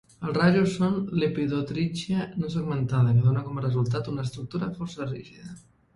Els rajos són "lepidotrichia" no segmentada, que dona com a resultat una estructura força rígida.